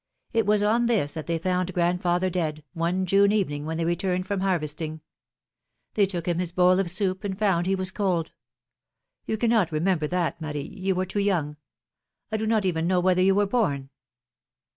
It was on this that they found grand father dead, one June evening when they returned from harvesting. They took him his bowl of soup, and found he w^as cold. You cannot remember that, Marie ; you were too young. I do not even know whether you w'ere born